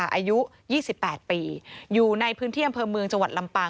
อายุ๒๘ปีอยู่ในพื้นที่อำเภอเมืองจังหวัดลำปาง